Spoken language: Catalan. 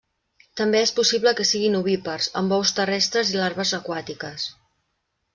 També és possible que siguin ovípars, amb ous terrestres i larves aquàtiques.